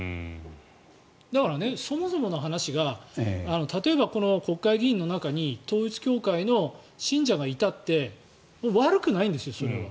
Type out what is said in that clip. だからそもそもの話が例えば国会議員の中に統一教会の信者がいたって悪くないんですよ、それは。